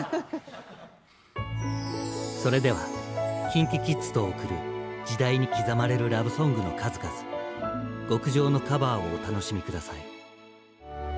それではＫｉｎＫｉＫｉｄｓと贈る時代に刻まれるＬｏｖｅＳｏｎｇの数々極上のカバーをお楽しみ下さい。